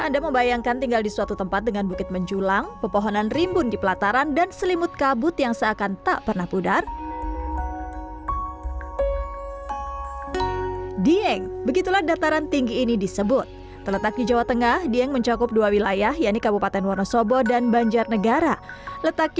dieng pernikahan yang menarik